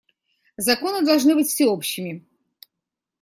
Законы должны быть всеобщими.